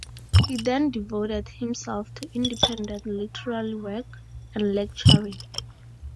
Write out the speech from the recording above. He then devoted himself to independent literary work and lecturing.